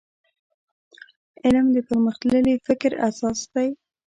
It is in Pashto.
علم د پرمختللي فکر اساس دی.